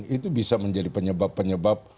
itu bisa menjadi penyebab penyebab